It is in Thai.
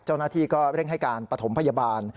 เจ้าหน้าที่ก็เร่งให้การปฐมพยาบาล